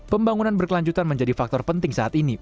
pembangunan berkelanjutan menjadi faktor penting saat ini